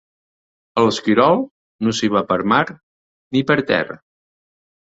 A l'Esquirol, no s'hi va per mar ni per terra.